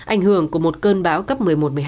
ảnh hưởng của một cơn bão cấp một mươi một một mươi hai